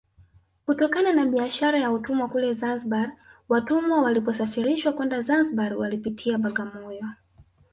Kutokana na biashara ya utumwa kule Zanzibar watumwa waliposafirishwa kwenda Zanzibar walipitia Bagamoyo